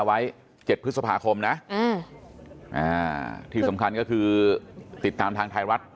วันลงทะลงเลือกตั้งนะครับ